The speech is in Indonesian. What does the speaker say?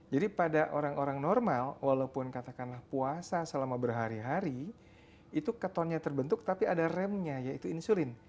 jadi pada orang orang normal walaupun katakanlah puasa selama berhari hari itu ketonnya terbentuk tapi ada remnya yaitu insulin